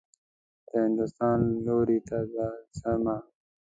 د هندوستان لوري ته حمه.